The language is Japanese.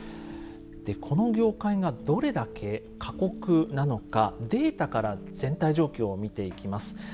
この業界がどれだけ過酷なのかデータから全体状況を見ていきます。